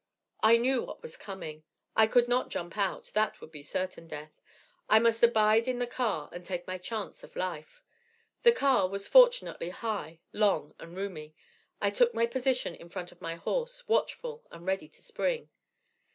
"I knew what was coming. I could not jump out, that would be certain death. I must abide in the car, and take my chance of life. The car was fortunately high, long, and roomy. I took my position in front of my horse, watchful, and ready to spring.